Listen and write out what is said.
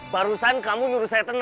barusan kamu nyuruh saya tengah